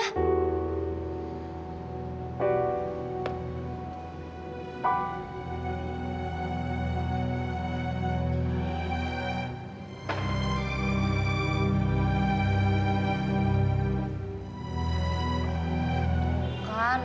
tidak gue mau jelasin